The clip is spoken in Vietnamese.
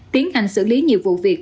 tiến hành xử lý nhiều vụ việc